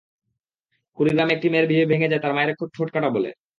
কুড়িগ্রামে একটি মেয়ের বিয়ে ভেঙে যায় তাঁর মায়ের ঠোঁট কাটা বলে।